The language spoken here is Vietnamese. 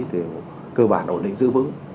thì cơ bản ổn định dữ vững